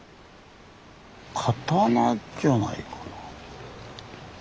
刀じゃないかな。